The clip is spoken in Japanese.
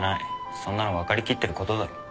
そんなの分かりきってることだろ